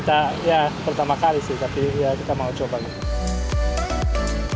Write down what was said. jadi ya pertama kali sih tapi kita mau coba gitu